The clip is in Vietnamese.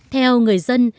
theo người dân